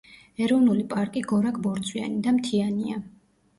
ეროვნული პარკი გორაკ–ბორცვიანი და მთიანია.